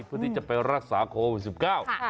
เพื่อที่จะไปรักษาโควิด๑๙